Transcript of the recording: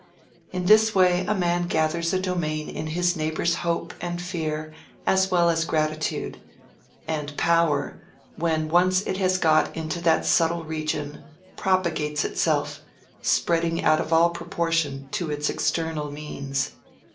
In this way a man gathers a domain in his neighbors' hope and fear as well as gratitude; and power, when once it has got into that subtle region, propagates itself, spreading out of all proportion to its external means.